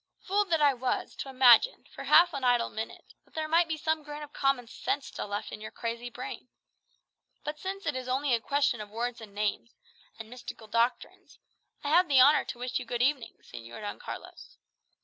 "Fool that I was, to imagine, for half an idle minute, that there might be some grain of common sense still left in your crazy brain! But since it is only a question of words and names, and mystical doctrines, I have the honour to wish you good evening, Señor Don Carlos.